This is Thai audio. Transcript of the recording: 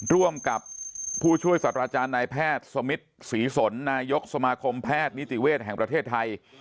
ร่วมกับผู้ช่วยสัตว์อาจารย์นายแพทย์สมิทศรีสนนายกสมาคมแพทย์นิติเวศแห่งประเทศไทย